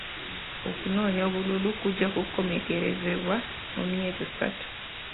Okunoonya obululu kujja kukomekkerezebwa mu myezi esatu.